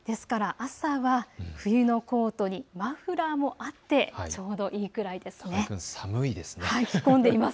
朝は冬のコートにマフラーもあって、ちょうどいいくらいです。